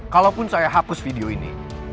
kalaupun saya hapus video ini